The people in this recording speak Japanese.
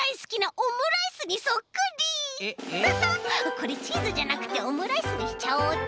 これチーズじゃなくてオムライスにしちゃおうっと！